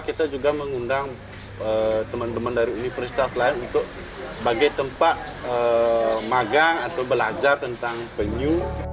kita juga mengundang teman teman dari universitas lain untuk sebagai tempat magang atau belajar tentang penyu